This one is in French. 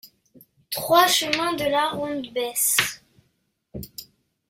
trois chemin de la Ronde Besse